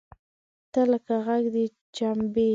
تۀ لکه غږ د چمبې !